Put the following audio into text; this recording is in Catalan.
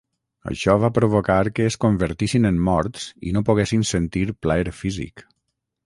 Això va provocar que es convertissin en morts i no poguessin sentir plaer físic.